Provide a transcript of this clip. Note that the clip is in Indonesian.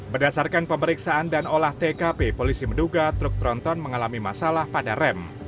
berdasarkan pemeriksaan dan olah tkp polisi menduga truk tronton mengalami masalah pada rem